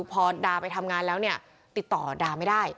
พอดาไปทำงานแล้วเนี่ยติดต่อดาไม่ได้